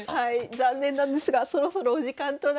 残念なんですがそろそろお時間となります。